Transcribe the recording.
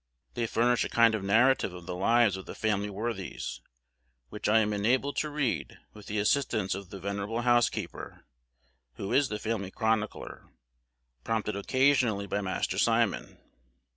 They furnish a kind of narrative of the lives of the family worthies, which I am enabled to read with the assistance of the venerable housekeeper, who is the family chronicler, prompted occasionally by Master Simon.